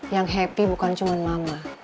yang happy bukan cuma mama